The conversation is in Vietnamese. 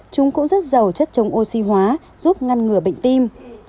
chúng cũng rất giàu chất chống oxy hóa giúp ngăn ngừa bệnh tim